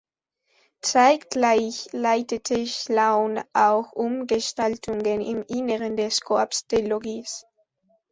Zeitgleich leitete Schlaun auch Umgestaltungen im Inneren des Corps de Logis.